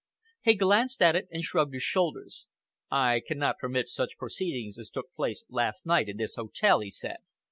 He glanced at it, and shrugged his shoulders. "I cannot permit such proceedings as took place last night in this hotel," he said.